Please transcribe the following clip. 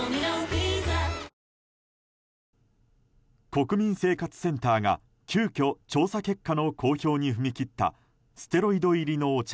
国民生活センターが急きょ調査結果の公表に踏み切ったステロイド入りのお茶